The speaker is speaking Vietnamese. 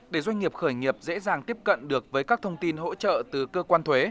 để doanh nghiệp khởi nghiệp dễ dàng tiếp cận được với các thông tin hỗ trợ từ cơ quan thuế